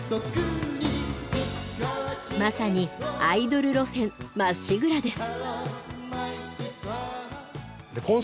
まさにアイドル路線まっしぐらです。